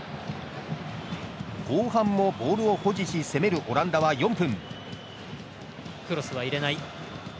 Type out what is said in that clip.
後半もボールを保持し攻めるオランダは、４分。